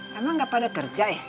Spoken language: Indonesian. kamu enggak pada kerja ya